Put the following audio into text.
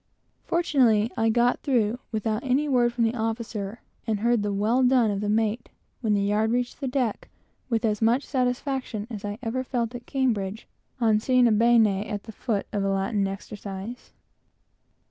Fortunately, I got through without any word from the officer, and heard the "well done" of the mate, when the yard reached the deck, with as much satisfaction as I ever felt at Cambridge on seeing a "bene" at the foot of a Latin exercise.